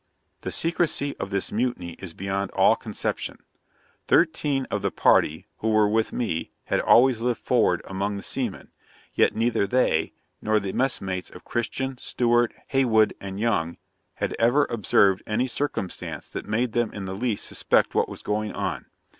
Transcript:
'The secrecy of this mutiny is beyond all conception. Thirteen of the party, who were with me, had always lived forward among the seamen; yet neither they, nor the messmates of Christian, Stewart, Heywood, and Young, had ever observed any circumstance that made them in the least suspect what was going on.